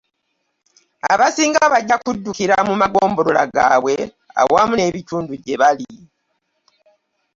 Abasinga bajja kuddukira mu magombolola gaabwe awamu n'ebitundu gye bali